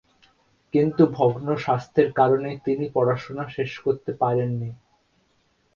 কিন্তু ভগ্ন স্বাস্থ্যের কারণে তিনি পড়াশোনা শেষ করতে পারেননি।